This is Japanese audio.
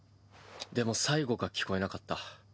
でも最後が聞こえなかった。